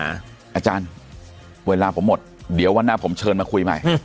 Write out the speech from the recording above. อาจารย์เวลาผมหมดเดี๋ยววันหน้าผมเชิญมาคุยใหม่